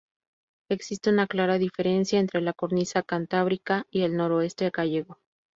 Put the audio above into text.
Existe una clara diferencia entre la cornisa cantábrica y el noroeste gallego.